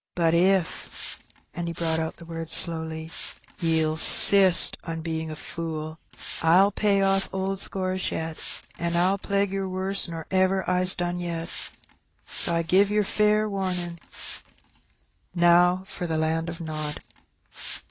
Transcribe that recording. But if," and he brought out the words slowly, *'ye'll 'sist on bein' a fool, I'll pay off old scores yet, and I'll plague yer worse nor ever I's done yet! so I give yer fair wamin'. Now for the land o' nod."